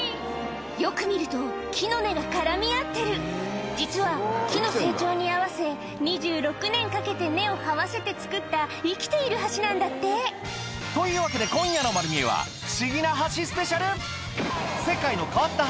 よく見ると木の根が絡み合ってる実は木の成長に合わせ２６年かけて根をはわせて造った生きている橋なんだってというわけで今夜の『まる見え！』はを大連発